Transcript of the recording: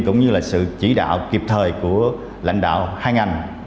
cũng như là sự chỉ đạo kịp thời của lãnh đạo hai ngành